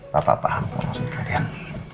bapak paham kok maksud kalian